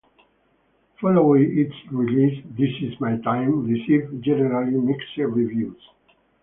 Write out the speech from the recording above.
Following its release, "This Is My Time" received generally mixed reviews.